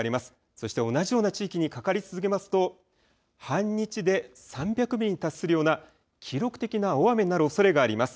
そして同じような地域にかかり続けますと半日で３００ミリに達するような記録的な大雨になるおそれがあります。